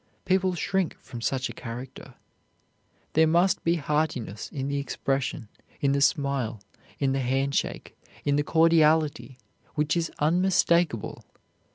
People shrink from such a character. There must be heartiness in the expression, in the smile, in the hand shake, in the cordiality, which is unmistakable.